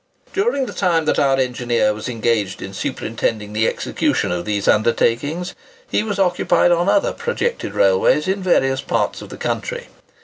During the time that our engineer was engaged in superintending the execution of these undertakings, he was occupied upon other projected railways in various parts of the country.